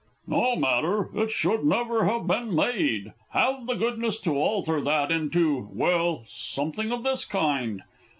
_ No matter it should never have been made. Have the goodness to alter that into well, something of this kind.